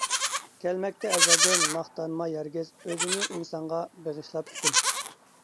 كەلمەكتە ئەزەلدىن ماختانماي ھەرگىز، ئۆزىنى ئىنسانغا بېغىشلاپ پۈتۈن.